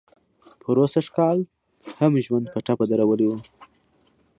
پروسږ کال هم ژوند په ټپه درولی و.